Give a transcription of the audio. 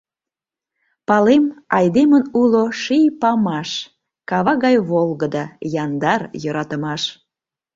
Палем, Айдемын уло Ший Памаш — Кава гай волгыдо яндар йӧратымаш!